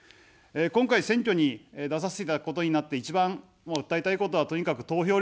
今回、選挙に出させていただくことになって、一番、訴えたいことは、とにかく投票率アップです。